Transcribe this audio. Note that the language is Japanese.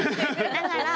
だから話。